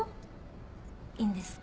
いいんですか？